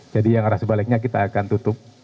jadi yang arah sebaliknya kita akan tutup